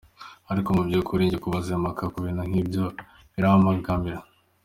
Ariko mu by’ukuri jye kujya impaka ku bintu nk’ibyo birambangamira".